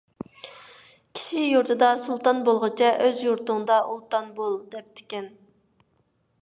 «كىشى يۇرتىدا سۇلتان بولغۇچە، ئۆز يۇرتۇڭدا ئۇلتان بول» دەپتىكەن.